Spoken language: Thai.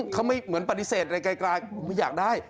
เขาไม่เหมือนปฏิเสธอะไรไกลไม่อยากได้